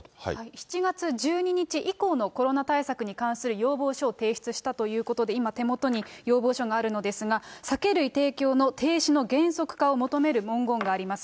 ７月１１日以降のコロナ対策に関する要望書を提出したということで、今手元に要望書があるのですが、酒類提供の停止の原則化を求める文言があります。